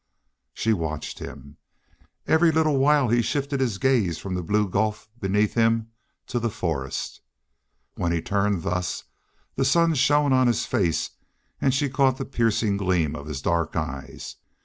She watched him. Every little while he shifted his gaze from the blue gulf beneath him to the forest. When he turned thus the sun shone on his face and she caught the piercing gleam of his dark eyes.